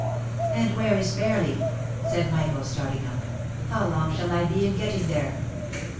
"And where is Fairly ?" said Michael, starting up. " How long shall I be in getting there